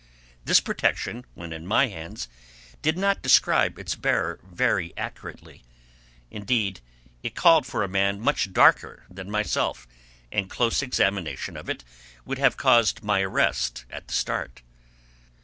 This protection, when in my hands, did not describe its bearer very accurately. Indeed, it called for a man much darker than myself, and close examination of it would have caused my arrest at the start.